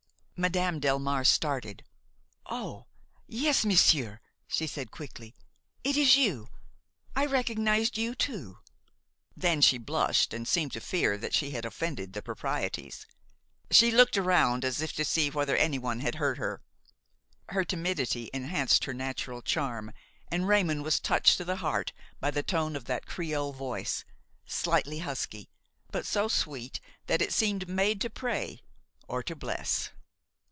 Madame Delmare started. "Oh! yes, monsieur," she said, quickly, "it is you! I recognized you , too." Then she blushed and seemed to fear that she had offended the proprieties. She looked around as if to see whether anyone had heard her. Her timidity enhanced her natural charm, and Raymon was touched to the heart by the tone of that creole voice, slightly husky, but so sweet that it seemed made to pray or to bless.